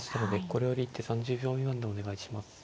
これより一手３０秒未満でお願いします。